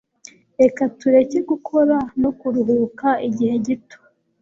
Reka tureke gukora no kuruhuka igihe gito.